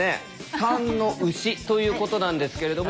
３の「牛」ということなんですけれども。